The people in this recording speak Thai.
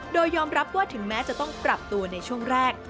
โดยยอมรับว่าถึงแม้จะต้องปรับตัวในช่วงแรก